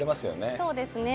そうですね。